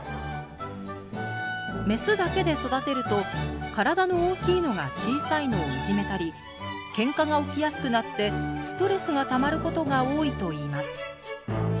メスだけで育てると体の大きいのが小さいのをいじめたりけんかが起きやすくなってストレスがたまることが多いといいます。